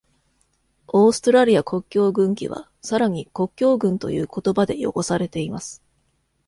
オーストラリア国境軍旗はさらに「国境軍」という言葉で汚されています。